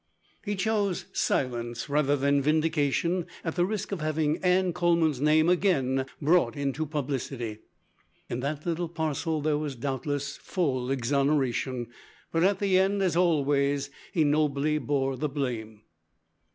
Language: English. He chose silence rather than vindication at the risk of having Anne Coleman's name again brought into publicity. In that little parcel there was doubtless full exoneration, but at the end, as always, he nobly bore the blame.